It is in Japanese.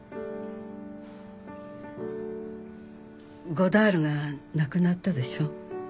ゴダールが亡くなったでしょ？